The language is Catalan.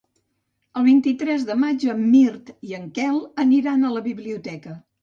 El vint-i-tres de maig en Mirt i en Quel aniran a la biblioteca.